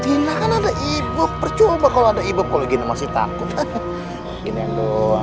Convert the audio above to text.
ini yang doang